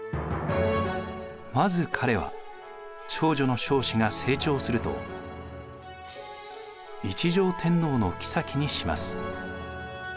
まず彼は長女の彰子が成長すると一条天皇の后にします。